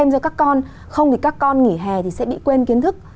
thêm cho các con không thì các con nghỉ hè thì sẽ bị quên kiến thức